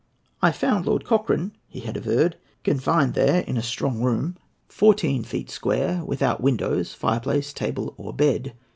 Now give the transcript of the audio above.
"I found Lord Cochrane," he had averred, "confined there in a strong room, fourteen feet square, without windows, fireplace, table, or bed.